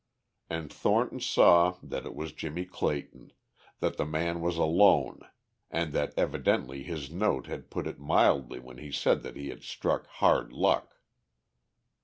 And Thornton saw that it was Jimmie Clayton, that the man was alone, and that evidently his note had put it mildly when he had said that he had struck "hard luck."